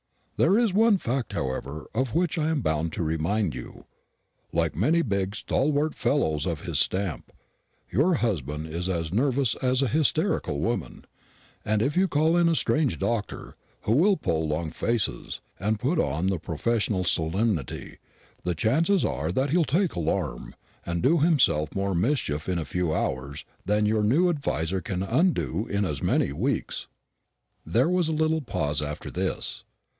There's one fact, however, of which I'm bound to remind you. Like many fine big stalwart fellows of his stamp, your husband is as nervous as a hysterical woman; and if you call in a strange doctor, who will pull long faces, and put on the professional solemnity, the chances are that he'll take alarm, and do himself more mischief in a few hours than your new adviser can undo in as many weeks." There was a little pause after this.